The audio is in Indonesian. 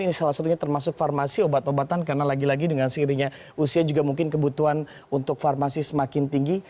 ini salah satunya termasuk farmasi obat obatan karena lagi lagi dengan sendirinya usia juga mungkin kebutuhan untuk farmasi semakin tinggi